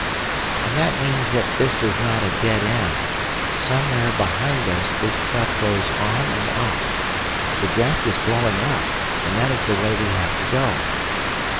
"And that means that this is not a dead end; somewhere behind us this cleft goes on and up. The draught is blowing up, and that is the way we have to go.